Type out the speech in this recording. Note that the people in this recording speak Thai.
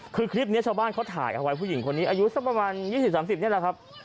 คือคลิปนี้ชาวบ้านเขาถ่ายเอาไว้ผู้หญิงคนนี้อายุสักประมาณ๒๐๓๐นี่แหละครับ